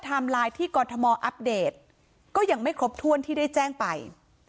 ไลน์ที่กรทมอัปเดตก็ยังไม่ครบถ้วนที่ได้แจ้งไป